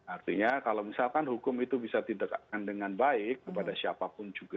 artinya kalau misalkan hukum itu bisa didekatkan dengan baik kepada siapapun juga